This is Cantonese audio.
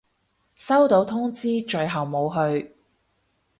收到通知，最後冇去